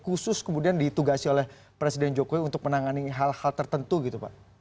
khusus kemudian ditugasi oleh presiden jokowi untuk menangani hal hal tertentu gitu pak